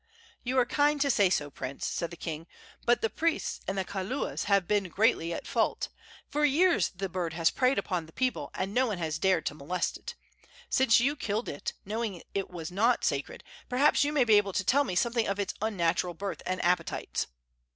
"You are kind to say so, prince," said the king; "but the priests and kaulas have been greatly at fault. For years the bird has preyed upon the people, and no one has dared to molest it. Since you killed it, knowing that it was not sacred, perhaps you may be able to tell me something of its unnatural birth and appetites."